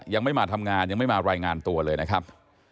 ยังไม่มาทำงานยังไม่มารายงานตัวเลยนะครับ